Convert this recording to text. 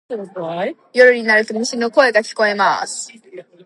夜になると虫の声が聞こえます。